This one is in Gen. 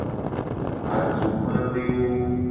Atukpadewo.